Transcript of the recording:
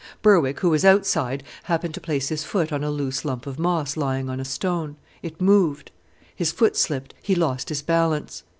Berwick, who was outside, happened to place his foot on a loose lump of moss lying on a stone. It moved; his foot slipped; he lost his balance.